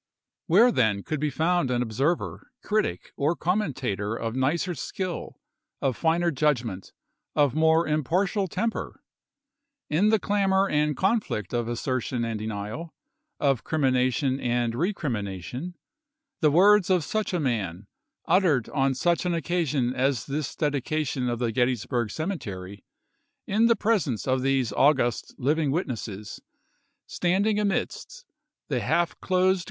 ^\niere, then, could be found an observer, critic, or commentator of nicer skiU, of finer judgment, of more impartial temper? In the clamor and conflict of assertion and denial, of crimination and recrimination, the words of such a man, uttered on such an occasion as this dedication of the Gettys burg cemetery, in the presence of these august living witnesses, standing amidst the half closed Vol.